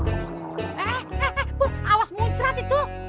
eh eh eh pur awas muncrat itu